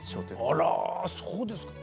あらそうですか。